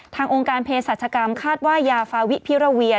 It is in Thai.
องค์การเพศรัชกรรมคาดว่ายาฟาวิพิราเวีย